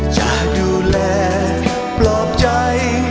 จะดูแลปลอบใจ